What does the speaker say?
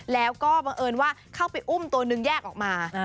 แล้วก็บังเอิญว่าเข้าไปอุ้มตัวหนึ่งแยกออกมา